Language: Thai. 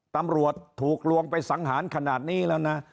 ตำรวจถูกลวงไปสังหารขนาดนี้แล้วนะ